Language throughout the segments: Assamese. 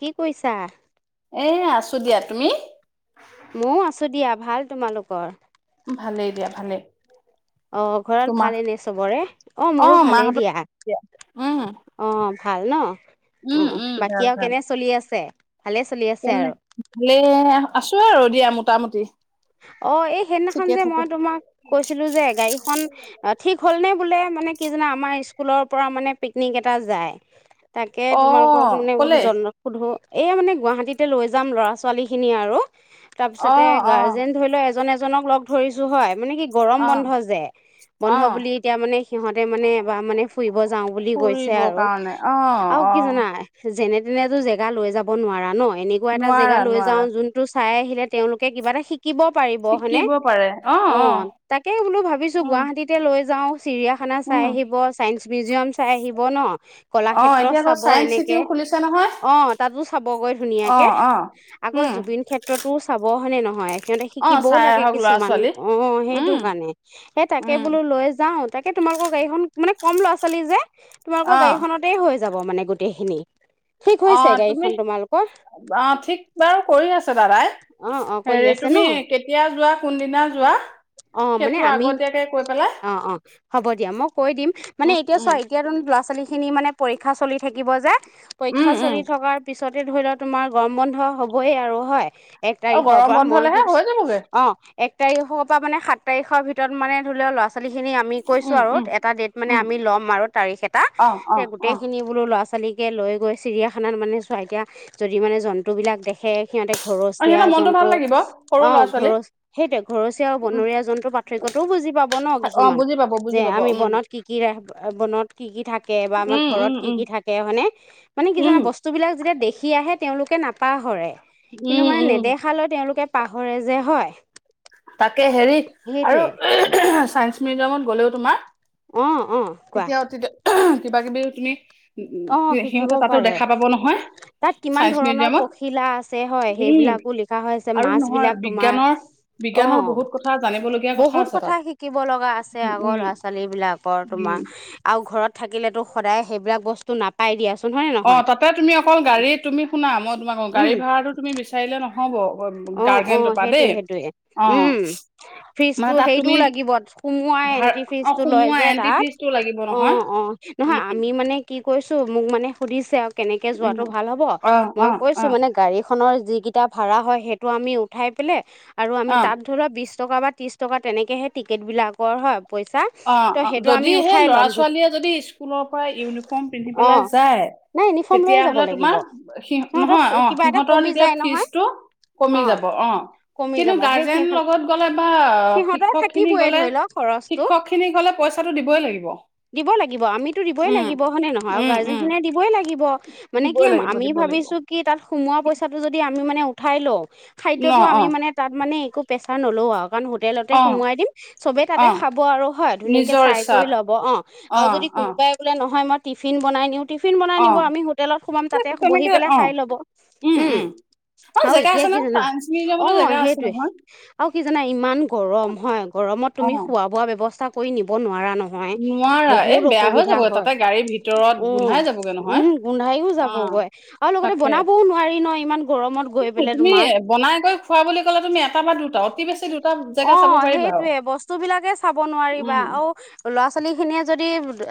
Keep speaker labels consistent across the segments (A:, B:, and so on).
A: কি কৰিছা?
B: এ আছো দিয়া তুমি?
A: ময়ো আছো দিয়া ভাল তোমালোকৰ?
B: ভালেই দিয়া ভালে।
A: অ ঘৰত ভালেনে চবৰে অ মোৰো ভালেই দিয়া অ। খালো।
B: উম
A: অ
B: উম ভাল
A: বাকী আৰু
B: ভাল
A: কেনে চলি আছে। ভালে চলি আছে
B: কেনে
A: আৰু।
B: ভালে আছো আৰু দিয়া মোৰ। মোটামুটি।
A: অ এই সেইদিনাখন
B: ঠিকে
A: যে
B: থাকো
A: মই তোমাক কৈছিলো যে গাড়ীখন ঠিক হ'লনে? বোলে মানে কি জানা আমাৰ স্কুলৰ পৰা মানে পিকনিক এটা যায়। তাকে
B: অ
A: তোমালোকক মানে
B: কলে
A: সোধো এই মানে গুৱাহাটীতে লৈ যাম ল'ৰা ছোৱালীখিনি আৰু
B: অ
A: তাৰপিছতে
B: অ
A: গাৰ্ বোলে এজন এজনক লগ ধৰিছো হয় মানে কি গৰম
B: অ
A: বন্ধ যে,
B: অ
A: বন্ধ বুলি এতিয়া মানে সিহঁতে মানে এবাৰ মানে ফুৰিব যাওঁ বুলি কৈছে
B: ফুৰিব
A: আৰু
B: কাৰণে অ
A: আৰু
B: অ
A: কি জাননা যেনে [unintelligible] তেনেতো জেগা লৈ যাব নোৱাৰা ন। এনেকুৱা এটা জেগা
B: নোৱাৰা
A: লৈ যাওঁ
B: নোৱাৰা
A: যোনটো চাই আহিলে তেওঁলোকে কিবা এটা শিক শিকিব পাৰিব হয়নে অ তাকে বোলো ভাবিছো
B: উম
A: গুৱাহাটীতে লৈ যাওঁ চিৰিয়াখানা চাই
B: উম
A: আহিব চাইন্স [unintelligible] মিউজিয়াম চাই আহিব ন [unintelligible]
B: অ
A: কলাক্ষেত্ৰ
B: এতিয়া আকৌ
A: চাব
B: চাইন্স
A: এনেকে
B: চিটিও খুলিছে নহয়
A: অ তাতো চাবগৈ
B: অ
A: ধুনীয়াকে
B: অ
A: আকৌ
B: উম
A: জুবিন ক্ষেত্ৰতো চাব হয়নে নহয়। সিহঁতে
B: অ
A: শিকিবও
B: চাই
A: লাগে
B: আহক ল'ৰা
A: কিছুমান
B: ছোৱালী
A: অ সেইটো
B: উম
A: কাৰণে এই তাকে
B: উম
A: বোলো লৈ যাও। তাকে তোমালোকৰ গাড়ীখন মানে কম লৱা ছোৱালী যে। তোমালোকৰ
B: অ',
A: গাড়ীখননতেই হৈয। যাব মানে গোটেইখিনি। ঠিক
B: অ
A: হৈছে
B: তুমি
A: গাড়ীখন তোমালোকৰ
B: অ ঠিক বাৰু কৰি আছা দাদাই হেৰিত।
A: তেন অ মানে
B: সেইটো
A: আমি
B: আগতীয়াকে কৈ পেলাই
A: অ অ হব দিয়া মৌ কই দিম মানে
B: উম,
A: এতিয়া
B: উম,
A: চোৱা এতিয়াটোন লৱা ছোৱালী খিনি মানে। পৰীক্ষা চলি থাকিব যে। পৰীক্ষা
B: উম, উম,
A: চলি থকাৰ পিছতে ধৰি লও তোমাৰ গৰম বন্ধ হব। হয় আৰু হয়। এক
B: অ',
A: তাৰিখৰ
B: গৰম
A: পৰা মই।
B: বন্ধলেহে হৈ যাবগে
A: অ। এক তাৰিখ পৰা মানে সাত। তাৰিখৰ ভিতৰত মানে ধৈ লোৱা ল'ৰা ছোৱালীখিনি আমি কৈছোঁ
B: উম,
A: আৰু
B: উম,
A: এটা ডেট মানে
B: উম,
A: আমি ল'ম আৰু তাৰিখ এটা
B: অ',
A: তে
B: অ', অ', অ',
A: গোটেইখিনি বোলো ল'ৰা ছোৱালী। ল'ৰা ছোৱালিকৈ লৈ গৈ চিৰিয়াখানাত মানে চোৱা এতিয়া যদি মানে জন্তুবিলাক দেখে। সিহঁতে ঘৰচীয়া
B: সিহঁতৰ মনটো
A: জন্তু।
B: ভাল লাগিব সৰু
A: অ
B: ল'ৰা ছোৱালী
A: ঘৰচ সেইটোয়ে ঘৰচীয়া আৰু
B: উম,
A: বনৰীয়া জন্তুৰ পাৰ্থক্যটো বুজি পাব ন
B: অ',
A: কিছুমান
B: বুজি পাব
A: যে
B: বুজি পাব
A: আমি
B: উম,
A: বনত কি কি ৰা বনত কি কি থাকে বা আমাৰ
B: উম,
A: ঘৰত
B: উম,
A: কি
B: উম,
A: কি থাকে মানে মানে কি জানা
B: উম,
A: বস্তু বিলাক যেতিয়া দেখি আ। আহে তেওঁলোকে নাপাহৰে। কিন্তু
B: উম,
A: মানে
B: উম,
A: নেদেখালৈ তেওঁলোকে। পাহৰে যে হয়।
B: তাকে হেৰি আৰু।
A: সেইটোৱে
B: চাইন্স মিউজিয়ামত গ'লেও তোমাৰ।
A: অ অ কোৱা।
B: তেতিয়া কিবা কিবি তুমি।
A: অ শিকিব
B: সিহঁতে তাতো
A: পাৰে
B: দেখা পাব নহয়
A: তাত কিমান
B: চাইন্স
A: ধৰণৰ
B: মিউজিয়ামত
A: পখিলা আছে হয়
B: উম
A: সেইবিলাকো লিখা হৈছে।
B: আৰু
A: মাছ
B: নহয়
A: বিলাক তোমাৰ।
B: বিজ্ঞানৰ
A: অ
B: বিজ্ঞানৰ বহুত কথা জানিবলগীয়া
A: বহুত
B: আছে তাত
A: কথা শিকিব লগা আছে
B: উম
A: আগৰ
B: উম
A: ল'ৰা ছোৱালী বিলাকৰ তোমাৰ
B: উম
A: আউ ঘৰত। থাকিলেতো সদায় সেইবিলাক বস্তু। ত নাপাই দিয়া।
B: অ তাতে তুমি অকল গাড়ী তুমি শুনা মই। গাড়ী
A: উম
B: ভাড়াটো তুমি বিচাৰিলে নহব
A: অ অ
B: গাৰগেণ্ডৰ পৰা দেই
A: সেইটোয়ে সেইটোয়ে
B: অ
A: উম ফিজটো
B: মানে তাত
A: হেৰিটোও
B: তুমি
A: লাগিব সোমোৱাই
B: ভা
A: এন্ট্ৰি ফিজটো লয়
B: সোমুৱা
A: যে
B: এন্ত্ৰী
A: তাত
B: ফিছটো লাগিব
A: অ
B: নহয়
A: অ নহয়
B: উম।
A: আমি মানে কি কৈছো মোক মানে সুধিছে। কেনেকৈ
B: উম
A: যোৱাটো ভাল হ'ব
B: অ অ
A: মই।
B: অ
A: মানে গাড়ীত খনৰ যিকেইটা ভাড়া হয় সেইটো আমি উঠাই পেলাই আৰু আমি
B: অ
A: তাত ধৰিলোৱা বিছ টকা বা ত্ৰিছ টকা তেনেকেহে টিকেটবিলাকৰ হয় পইচা
B: অ
A: ত'
B: অ
A: সেইটো আমি
B: যদি সেই
A: উঠাই
B: ল'ৰা
A: ল'ম
B: ছোৱালীয়ে যদি স্কুলৰ পৰা ইউনিফৰ্ম পিন্ধি
A: অ
B: পেলাই যায়
A: নাই ইউনিফৰ্ম লৈয়ে যাব
B: তেতিয়াহ'লে
A: লাগিব
B: তোমাৰ সি
A: সিহঁতৰ
B: নহয় অ
A: কিবা এটা
B: সিহঁতৰ
A: কমি
B: তেতিয়া
A: যায় নহয়
B: ফিজটো কমি যাব অ
A: কমি
B: কিন্তু
A: যাব সেই
B: গাৰ্জেনৰ
A: সিহঁত
B: লগত গ'লে বা
A: সিহঁতৰ
B: শিক্ষক খিনি
A: থাকিবই
B: গ'লে
A: ধৰি লওক খৰচটো
B: শিক্ষক খিনি গ'লে পইচাটো দিবই লাগিব
A: দিব লাগিব আমিতো দিবই
B: উম
A: লাগিব হয়নে নহয়
B: উম
A: গাৰ্জেন
B: উম
A: খিনিয়ে দিবই লাগিব মানে কি
B: দিবই লাগিব
A: আমি
B: দিব লাগিব
A: ভাবিছো তাত সোমোৱা পইচাটো যদি আমি মানে উঠাই লওঁ
B: ন
A: খাদ্যতো
B: অ
A: আমি মানে তাত মানে একো প্ৰেছাৰ ন ল আক কাৰণ হোটেলতে
B: অ
A: সোমোৱাই দিম চবে তাতে
B: অ
A: খাব আৰু হয় ধুনীয়াকে
B: নিজৰ
A: চাই কৰি
B: ইচ্ছাত
A: ল'ব অ আৰু যদি কোনোবাই বোলে নহয় মই টিফিন বনাই নিওঁ টিফিন বনাই
B: অ
A: নিব আমি হোটেলত সোমাম তাতে বহি
B: তেনেকে
A: পেলাই
B: অ
A: খাই ল'ব উম
B: অ
A: আৰু
B: জেগা
A: এতিয়া
B: আছে
A: কি
B: নহয়
A: জানা
B: চাইন্স
A: অ
B: মিউজিয়ামতো জেগা আছে
A: সেইটোৱে
B: নহয়
A: অ কি জানে ইমান গৰম হয় গৰমত
B: অ
A: তুমি খোৱা বোৱা ব্যৱস্থা কৰি নিব নোৱাৰা নহ নহয়
B: নোৱাৰা এই
A: বহুত
B: বেয়া হৈ
A: অসুবিধা
B: যাব
A: হয়
B: তাতে গাড়ীৰ ভিতৰত
A: উ
B: গোন্ধাই যাবগে নহয়
A: উম গোন্ধাইও
B: অ
A: যাবগৈ
B: তাকে
A: বনাবও নোৱাৰি ন ইমান গৰমত গৈ
B: সেই
A: পেলাই
B: তুমি
A: তোমাৰ
B: বনাই কৰি খোৱা বুলি ক'লে তুমি এটা বা দুটা অতি বেছি দুটা
A: অ
B: জেগা চাব পাৰিবা আৰু।
A: সেইটোয়ে বস্তু বিলাকে চাব নোৱাৰিবা
B: উম,
A: অ ল'ৰা ছোৱালী খিনিয়ে যদি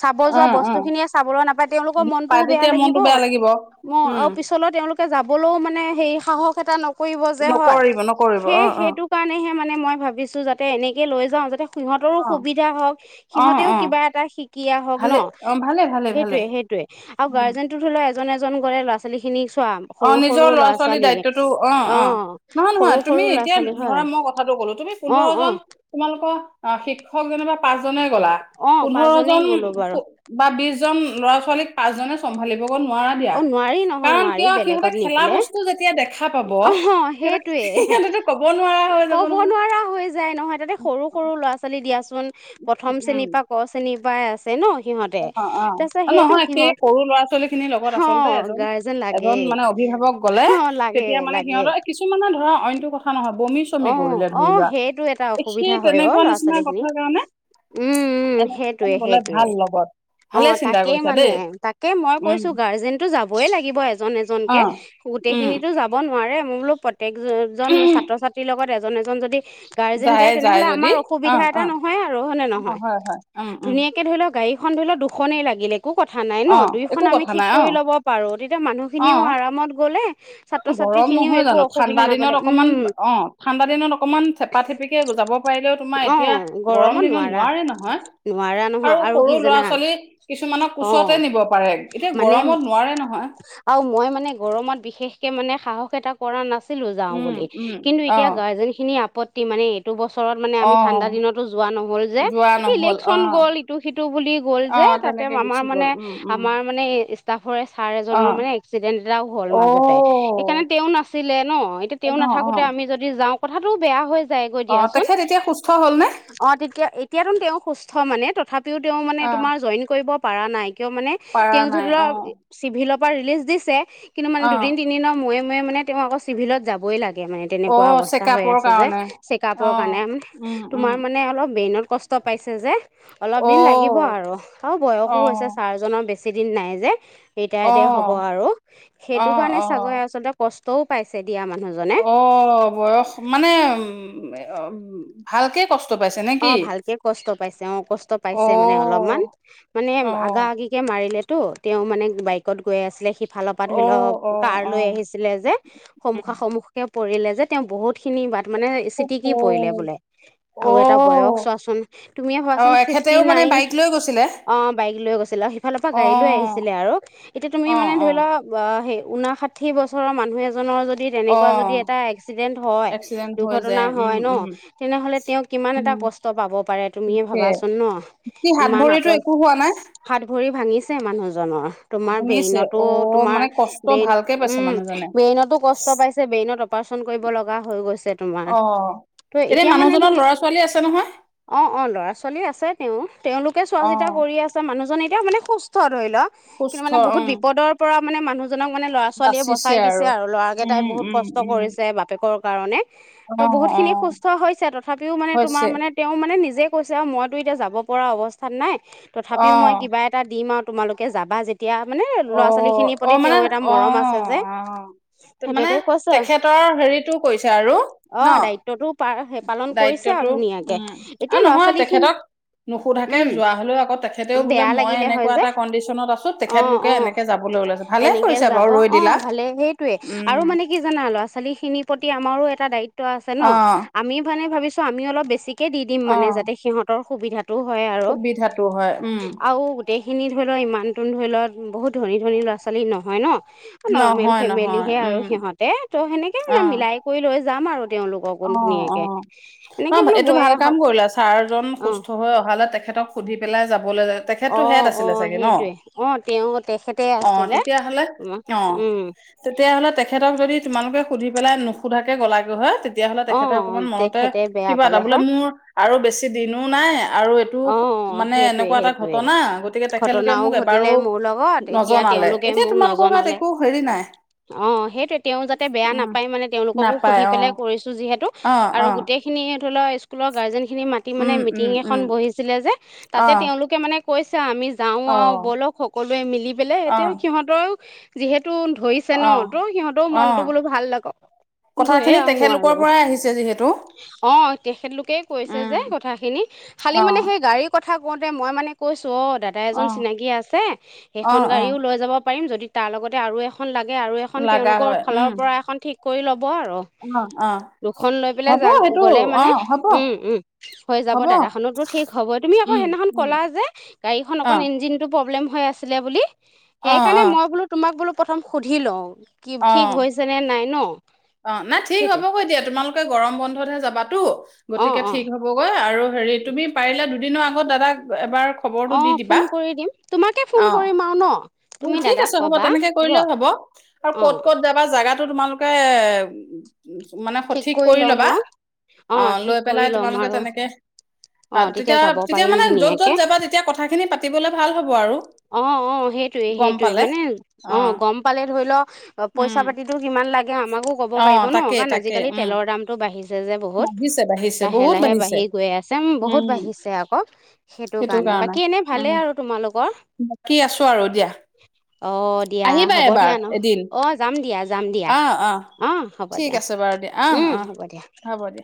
A: চাব যোৱা বস্তু খিনিয়ে চাবলৈ নাপায় তেওঁলোকৰ মনটোও
B: পায়
A: বেয়া
B: তেতিয়া মনটো বেয়া লাগিব।
A: ম
B: উম,
A: আৰু পিছলৈ তেওঁলোকে যাবলৈও মানে সেৰি সাহস এটা নক- কৰিব যে হয়
B: নকৰিব নকৰিব
A: সেই
B: অ', অ',
A: সেইটো কাৰণেহে মানে মই ভাবিছো যাতে এনেকে লৈ যাওঁ‌ যাতে সিহঁতৰো
B: অ',
A: সুবিধা হওক
B: অ',
A: সিহঁতেও
B: অ',
A: কিবা এটা শিকি আহক
B: ভালে
A: ন
B: অ', ভালে ভালে ভালে
A: সেইটোয়ে সেইটোয়ে আৰু
B: উম,
A: গাৰ্জেনটো ধৰি লও এজন এজন কৰে ল'ৰা ছোৱালী খিনিক
B: অ নিজৰ ল'ৰা ছোৱালীৰ দায়িত্বটো, অ অ নহয়
A: সৰু
B: নহয় তুমি
A: সৰু ল'ৰা
B: এতিয়া
A: ছোৱালী হয়
B: ধৰা মই কথাটো কলো। তুমি
A: অ
B: পোন্ধৰ
A: অ
B: জন তোমালোকৰ অ শিক্ষক যেনিবা পাঁচ নে গলা
A: অ
B: পোন্ধৰ
A: পাঁচজনেই
B: জন
A: গ'লো বাৰু
B: বা বিছজন ল'ৰা ছোৱালীক পাঁচজনে চম্ভালি নোৱাৰা দিয়া।
A: অ নোৱাৰি নহয়
B: কাৰণ
A: নোৱাৰি
B: কিয় সিহঁতে
A: বেলেগত নি
B: খেলা
A: পেলে।
B: বস্তু যেতিয়া দেখা পাব
A: অ
B: সিহঁতক
A: সেইটোৱে
B: সিহঁতেতো ক'ব নোৱাৰা হৈ যাব
A: ক'ব
B: নহয়।
A: নোৱাৰা হৈ যায় নহয়। তাতে সৰু সৰু ল'ৰা ছোৱালী দিয়া চো চোন প্ৰথম
B: উম।
A: শ্ৰেণীৰ পা ক শ্ৰেণী বাই আছে ন? সিহঁতে
B: অ
A: তাৰপিছত
B: অ
A: সেইটো
B: নহয়।
A: সিহঁত
B: সেই সৰু ল'ৰা ছোৱালী খিনি লগত আচলতে
A: অ', গাৰ্জেন লাগে
B: এজন মানে অভিভাৱক গলে
A: অ', লাগে
B: তেতিয়া মানে
A: লাগে
B: সিহঁতৰ কিছুমানৰ ধৰা অন এইটো কথা নহব
A: অ অ সেইটো এটা
B: এই
A: অসুবিধা
B: সেই
A: হয় অ
B: তেনেকুৱা
A: ল'ৰা
B: নিচিনা
A: ছোৱালী খিনি।
B: কথাৰ কাৰণে
A: উম উম
B: এনে
A: সেইটোৱে
B: গ'লে
A: সেইটোৱে।
B: ভাল লগত।
A: অ
B: ভালে চিন্তা
A: তাকে
B: কৰিছা
A: মানে
B: দেই
A: তাকে মই
B: উম,
A: কৈছো গাৰ্জেনটো যাবই লাগিব এজন এজনকে।
B: অ', উম,
A: গোটেইখিনিটো যাব নোৱাৰে মোৰ বুলো প্ৰ তেক ছাত্ৰ-ছাত্ৰী লগত এজন-এজন যদি গাৰ্জেন যায় তেনেহলে
B: যদি
A: আমাৰ অসুবিধা
B: অ',
A: এটা
B: অ',
A: নহয় আৰু। হয় নে
B: অ',
A: নহয়?
B: হয় হয় উম, উম,
A: ধুনীয়াকে ধৰি লওক গাড়ী এখন ধৰি লও দুখনেই লাগিলে একো কথা নাই ন?
B: অ',
A: দুইখন
B: একো
A: আমি
B: কথা
A: ঠিক
B: নাই অ',
A: কৰি ল'ব পাৰোঁ। তেতিয়া মানুহখিনিও
B: অ'।
A: আৰামত গ'লে ছাত্ৰ ছাত্ৰী
B: গৰম
A: খিনিও
B: নহয়
A: একো
B: জানো?
A: অসুবিধা
B: ঠাণ্ডা
A: নাপালে
B: দিনত অকমান,
A: উম
B: অ। ঠাণ্ডা দিনত অকমান থেপা থেপিকে যাব পাৰিলেও তোমাৰ
A: অ
B: এতিয়া গৰম
A: গৰমত
B: দিনত
A: নোৱাৰা
B: নোৱাৰে নহয়
A: নোৱাৰা নহয়
B: আৰু সৰু
A: কি
B: ল'ৰা
A: জানা
B: ছোৱালী কিছুমানক
A: অ
B: কুচতে নিব পাৰে। এতিয়া
A: মানে
B: গৰমত নোৱাৰে নহয়।
A: আৰু মই মানে গৰমত বিশেষকে মানে সাহস এটা কৰা নাচ ছিলো যাওঁ
B: উম
A: বুলি
B: উম
A: কিন্তু এটি
B: অ
A: এতিয়া গাৰ্জেন খিনি আপত্তি মানে এইটো বস্তু ওচৰত মানে
B: অ
A: আমি ঠাণ্ডা দিনতো যোৱা নহল যে।
B: যোৱা নহল অ
A: ইলেকচন গ'ল ইটো-সিটো বুলি গ'ল
B: অ
A: যে। তাতে
B: তেনেকে
A: আমাৰ
B: গুচি
A: মানে
B: গল উম উম
A: আমাৰ মানে ষ্টাফৰে ছাৰ
B: অ
A: এজনৰ মানে এক্সিডেণ্ট এটাও হ'ল
B: অ
A: মাজতে। সেইকাৰণে তেওঁ নাছিলে ন। এতিয়া
B: অ
A: তেওঁ
B: অ
A: নাথাকোতে আমি যদি যাওঁ কথাতো বেয়া হৈ যাইগৈ
B: অ
A: দিয়াচোন।
B: তেখেত এতিয়া সুস্থ হলনে
A: অ তেতিয়া এতিয়াতোন তেওঁ সুস্থ মানে। তথা ও তেওঁ মানে
B: অ
A: তোমাৰ জইন কৰিব পাৰা নাই। কিয় মানে
B: পাৰা
A: তেওঁক
B: নাই
A: ধৰি
B: অ
A: লওক চিভিলত ৰিলিজ দিছে। কিন্তু মানে
B: অ
A: দুদিন তিনদিনৰ মূৱে মূৱে। মানে তেওঁ আকৌ চিভিলত যাবই লাগে মানে।
B: অ
A: পোৱা অৱস্থা হৈ
B: চেকআপৰ
A: আছে যে,
B: কাৰণে
A: চেকাপৰ
B: অ
A: কাৰণে
B: উম উম
A: তোমাৰ মানে অলপ ব্ৰেইনত। কষ্ট পাইছে যে। অলপ দিন লাগিব
B: অ
A: আৰু আৰু বয়সো
B: অ,
A: হৈছে চাৰজনৰ বে। বেছিদিন নাই যে।
B: অ,
A: ৰিটায়াৰ্ডে হ'ব আৰু
B: অ,
A: সেইটো কাৰণে
B: অ,
A: চাগৰে আচলতে কষ্ট। তৌ পাইছে। দিয়া মানুহজনে
B: অ বয়স। মানে ভালকে কষ্ট। পাইছে নে কি?
A: অ ভালকে কষ্ট পাইছে, অ কষ্ট
B: অ',
A: পাইছে মানে অলপমান মানে আগা
B: অ',
A: আগিকে মাৰিলে। টো তেওঁ মানে বাইকত গৈ আছিলে সি। ফালৰ পৰা ধৰি লওক
B: অ', অ',
A: কাৰ লৈ
B: অ',
A: আহিছিলে যে সন্মুখা
B: উম।
A: সন্মুখীকে। পৰিলে যে তেওঁ বহুতখিনি বা। মানে
B: অ'হো।
A: চিতিকি পৰিলে বোলে আৰু। এটা বয়স
B: অ',
A: চোৱাচোন তুমিয়ে ভোৱাচোন
B: অ',
A: ফিফটি
B: এখেতেও মানে
A: নাইন
B: বাইক লৈ গৈছিলে?
A: অ বাইক লৈ গৈছে। ছিলা সিফালৰ পৰা গাড়ী লৈ
B: অ',
A: আহিছিলে আৰু এতিয়া তুমি মানে
B: অ',
A: ধৰি
B: অ',
A: লোৱা সেই। ঊনাষাঠি বছৰৰ মানুহ এজনৰ য। দি তেনেকুৱা যদি
B: অ',
A: এটা এক্সিডেণ্ট হয়
B: এক্সিডেন্ট হৈ যায়,
A: দুৰ্ঘটনা
B: উম,
A: হয় ন
B: উম।
A: তেনেহ'লে তেওঁ। কিমান এটা
B: উম।
A: কষ্ট পাব পাৰে তুমিয়ে
B: তাকে,
A: ভাবাচোন ন
B: কি হাত
A: ইমান
B: ভৰিতো
A: আতৰত
B: একো হোৱা নাই?
A: হাত। কৰি ভাঙিছে মানুহজনৰ। তোমাৰ
B: ভাঙিছে,
A: ব্ৰেইনতো
B: অ',
A: তোমাৰ
B: মানে কষ্ট
A: ব্ৰেইন
B: ভালকে পাইছে
A: উম
B: মানুহজনে।
A: ব্ৰেইনতো কষ্ট পাইছে ব্ৰেইনত অপাৰচন কৰিব লগা হৈ গৈছে তোমাৰ
B: অ
A: ত এতিয়া
B: মানুহজনৰ
A: মানো।
B: ল'ৰা ছোৱালী আছে নহয়
A: অ অ ল'ৰা ছোৱালী আছে। তেওঁ। তেওঁলোকে চোৱা
B: অ
A: চিতা কৰি আছে মানুহজন এতিয়াও মানে সুস্থ ধৰি ল কিন্তু
B: সুস্থ
A: মানে
B: অ
A: বহুত বিপদৰ পৰা। মানে মানুহজন। জনক মানে ল'ৰা ছোৱালীয়ে বচাই দিছে আৰু ল'ৰাকেইটাই
B: উম
A: বহুত
B: উম
A: কষ্ট
B: উম
A: কৰিছে বাপেকৰক। কাৰণে ত'
B: অ
A: বহুত
B: অ
A: খিনি সুস্থ হৈছে তথাপিও মানে তোমাৰ
B: হৈছে
A: মানে তেওঁ মানে নিজে কৈছে আৰু মইতো এতিয়া যাব পৰা অৱস্থাত নাই
B: অ
A: তথাপিও মই কিবা এটা দিম আৰু তোমালোকে যাবা যেতি এতিয়া মানে
B: অ
A: লৰা -ছোৱালী খিনিৰ
B: অ
A: প্ৰতি
B: মানে
A: তেওঁ এটা
B: অ
A: মৰম আছে যে,
B: অ তে- মানে
A: সেইটোতে কৈছে
B: তেখেতৰ হেৰিটো কৰিছে আৰু
A: অ,
B: ন
A: দায়িত্বটো প স পালন কৰিছে
B: দায়িত্বটো
A: আৰু ধুনীয়াকে
B: উম!
A: এতিয়া ল'ৰা
B: নহয়
A: ছোৱালী খিনি
B: তেখেতক নুশোধাকে
A: উম
B: যোৱা হলেও আকৌ তেখেতেও বোলে
A: বেয়া
B: মই
A: লাগিলে হয়
B: এনেকুৱা
A: যে
B: এটা কণ্ডিচন আছোঁ
A: অ
B: তেখেতোক
A: অ এনেকে যাব
B: ৰৈ
A: অ
B: দিলা
A: ভালে সেইটোৱে আৰু
B: উম
A: মানে কি জানা ল'ৰা -ছোৱালীখিনিৰ প্ৰতি আমাৰো এটা দায়ি ত্ব আছে ন
B: অ
A: আমি মানে ভাবিছোঁ আমি অলপ বেছি কে দি দিম মানে
B: অ
A: যাতে সিহঁতৰ সুবিধাত হয় আৰু
B: সুবিধাটো হয়, উম।
A: আৰু গোটেইখিনি ধৰি লও ইমান নতুন ধৰি লওত বহুত ধন- ধনী ল'ৰা-ছোৱালী নহয় ন। নৰ্মেল
B: নহয়,
A: ফেমেলি
B: নহয়,
A: হে আৰু
B: উম,
A: সিহতে ত' সেনেকে
B: অ',
A: মানে মিলাই কৰি লৈ যাম আৰু তেওঁলোককো
B: অ',
A: ধুনীয়াকে
B: অ', ন
A: এনেকে বোলো
B: এইটো
A: গৈয়ে
B: ভাল কাম
A: আহক
B: কৰিলা ছাৰজন
A: অ
B: সুস্থ হৈ অহালৈ তেখেতক সুধি পেলাই যাব তেখেতো
A: অ
B: হে
A: অ
B: আছিলে চাগে ন,
A: সেইটোৱে অ তেওঁ তেখেতে
B: অ
A: আছিলে
B: তেতিয়া হলে,
A: তোমাৰ। উম
B: অহ--তেতিয়ালে তেখেতক যদি তোমালোকে সুধি পেলাই সোধাকে গলা গৈ হয় তেতিয়াহ'লে
A: অ
B: তেখেতে অকমান মনতে
A: তেখেতে বেয়া
B: কিবা এটা
A: পালে
B: বোলে
A: হয়
B: মোৰ আৰু বেছি দিনো নাই আৰু এইটো
A: অ
B: মানে
A: সেইটোৱে
B: এনেকুৱা এটা
A: সেইটোৱে
B: ঘটনা গতিকে তেখেতলোকে
A: ঘটনাও
B: মোক এবাৰো
A: ঘটিলে মোৰ লগত এতিয়া
B: নজনালে,
A: তেওঁলোকে
B: এতিয়া
A: মোক
B: তোমালোকৰ গাত
A: নজনালে
B: একো হেৰি নাই,
A: অ সেইটোৱে তেওঁ যাতে বেয়া
B: উম,
A: নাপায় মানে তেওঁলোককো
B: নাপায়
A: সুধি পেলাই
B: অ'।
A: কৰিছোঁ
B: অ, অ,
A: আৰু গোটেইখিনি থোৱা স্কুলৰ গাৰ্জেন খিনি মাতি মানে
B: উম, উম,
A: মিটিঙ
B: উম,
A: এখন বহিছিলে যে
B: অ,
A: তাতে তেওঁলোকে মানে কৈছে আও আমি যাওঁ
B: অ,
A: আৰু বলক সকলোৱে মিলি পেলাই
B: অ,
A: এতিয়াও সিহঁতৰ যিহেতু ট ধৰিছে ন
B: অ,
A: তো সিহঁতেও
B: অ,
A: মনতো বোলো ভাল লাগক গৈয়ে
B: কথাখিনি
A: আহো আৰু
B: তেখেতলোকৰ পৰাই আহিছে যিহেতু।
A: অ তেখেতলোকে কৈছে
B: উম,
A: যে কথাখিনি। খালি
B: অ,
A: মানে সেই গাডী ক কথা কওঁতে মই মানে কৈছো। চ' দাদা
B: অ,
A: এজন চিনাকি আছে
B: অ,
A: সেইখন
B: অ,
A: গাড়ীও লৈ যাব। পাৰিম যদি তাৰ লগতে আৰু এখন। আৰু এখন
B: লাগা
A: তেওঁলোকৰ
B: হয়,
A: ফালৰ
B: উম,
A: পৰা এখন ঠিক। কৈ ল'ব। লব আৰু
B: অ, অ,
A: দুখন লৈ পেলাই
B: হ'ব সেইটো
A: গলে
B: অ,
A: মানে
B: হ'ব,
A: উম উম হৈ যাব
B: হ'ব,
A: দাদা। ঠিক হ'ব তুমি আকৌ
B: উম,
A: সদিনাখন
B: উম,
A: কলা যে গাড়ীখন
B: অ,
A: অকন ইঞ্জিনটো। প্ৰব্লেম হৈ আছিলে বুলি।
B: অ,
A: সেইকাৰণে
B: অ,
A: মই বোলো তোমাক বোলো। প্ৰথম সুধি লওঁ কি
B: অ
A: ঠিক হৈছে নে নাই ন
B: অ নাই ঠিক
A: সেইটোৱে
B: হ'ব এ দিয়া তোমালোক। কে গৰম বন্ধতহে যাবাতো।
A: অ
B: গতিকে
A: অ
B: ঠিক হ'বগৈ আৰু। হেৰি তুমি পাৰিলে। দুদিনৰ আগত দাদাক এবাৰ। খবৰটো
A: অ
B: দি দিবা।
A: ফোন কৰি দিম তোমাকে ফোন
B: অ,
A: কৰিম আওঁ ন।
B: অ
A: তুমি
B: ঠিক
A: দাদাক
B: আছে হ'ব
A: কবা
B: তেনেকে কৰিলেও হ'ব আৰু
A: অ
B: ক'ত ক'ত যাবা। জাগাোতো তোমালোকে। মানে
A: ঠিক
B: সঠিক কৰি
A: ল'ম
B: ল'বা
A: আৰু
B: অ
A: ঠিক
B: লৈ
A: কৰি
B: পেলাই
A: ল'ম
B: তোমালোকে
A: আৰু
B: তেনেকে।
A: অ
B: তেতিয়া
A: যাব
B: তেতিয়া
A: পাৰিম
B: মানে যত য'ত
A: ধুনীয়াকে
B: যাবা তেতিয়া কথাখিনি পাতিবলে ভাল হব আৰু।
A: অ অ সেই। সেইয়ে
B: গম
A: সেইটোয়ে
B: পালে
A: মানে অ গম পালে ধৰি লও
B: উম
A: পইচা পাতিতটো কিমান লাগে। গতিকে আমাকো ক'ব
B: অ
A: পাৰিব ন
B: তাকে
A: কাৰণ
B: তাকে
A: আজিকালি
B: উম
A: তেলৰ দামতটো বাঢ়িছে যে বহুত
B: বাঢ়িছে বাঢ়িছে
A: লাহে
B: বহুত
A: লাহে
B: বাঢ়িছে
A: বাঢ়ি গৈ আছে বহুত
B: উম
A: বাঢ়িছে আকৌ সেইটো কাৰণে বাকী এনে ভালেই আৰু তোমালোকৰ
B: বাকী আছো আৰু দিয়া।
A: অ দিয়া
B: আহিবা
A: হ'ব
B: এবাৰ
A: দিয়া ন
B: এদিন
A: অ যাম দিয়া যাম দিয়া অ হ'ব
B: ঠিক
A: দিয়া
B: আছে বাৰু দিয়া অ
A: উম
B: অ
A: হ'ব দিয়া।
B: হ'ব দিয়া